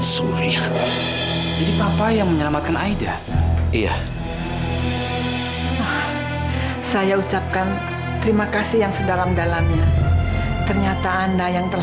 sampai jumpa di video selanjutnya